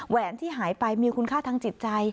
แหนที่หายไปมีคุณค่าทางจิตใจ